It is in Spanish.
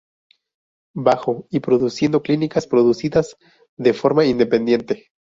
Bajo" y produciendo clínicas producidas de forma independiente.